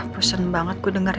pusen banget gue denger ya